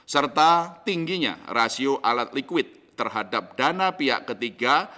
serta tingginya rasio alat liquid terhadap dana pihak ketiga